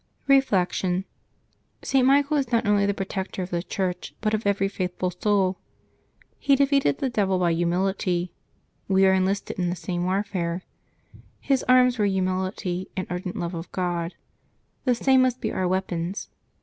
Reflection. — St. Michael is not only the protector of the Church, but of every faithful soul. He defeated the devil by humility: we are enlisted in the same warfare. His arms were humility and ardent love of God: the same must be our weapons.